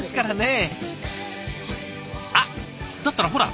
あっだったらほら